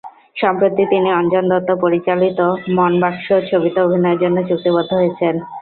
সম্প্রতি তিনি অঞ্জন দত্ত পরিচালিত মনবাকসো ছবিতে অভিনয়ের জন্য চুক্তিবদ্ধ হয়েছেন।